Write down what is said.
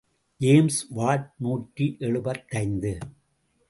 James Watt நூற்றி எழுபத்தைந்து.